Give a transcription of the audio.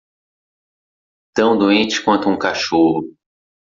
Tão doente quanto um cachorro.